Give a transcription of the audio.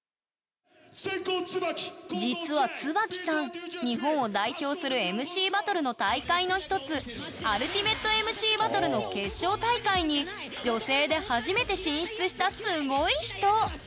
実は椿さん日本を代表するＭＣバトルの大会の一つＵＬＴＩＭＡＴＥＭＣＢＡＴＴＬＥの決勝大会に女性で初めて進出したすごい人！